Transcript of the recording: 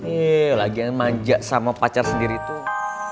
eh lagi yang manja sama pacar sendiri tuh